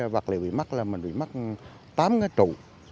vật liệu bị mắc là mình bị mất tám cái trụ